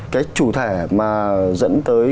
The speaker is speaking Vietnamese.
cái chủ thể mà dẫn tới